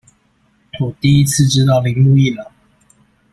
我第一次知道鈴木一朗